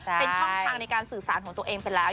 เป็นช่องทางในการสื่อสารของตัวเองไปแล้ว